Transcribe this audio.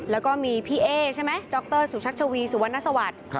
แล้วก็มีพี่เอ๊ดรสุชักชวีสุวรรณสวรรค์